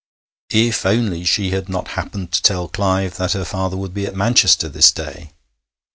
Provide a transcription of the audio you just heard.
If only she had not happened to tell Clive that her father would be at Manchester this day!